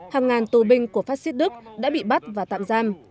hàng ngàn tù binh của phát xít đức đã bị bắt và tạm giam